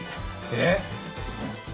えっ？